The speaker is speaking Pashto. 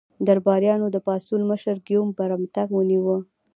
درباریانو د پاڅون مشر ګیوم برمته ونیو.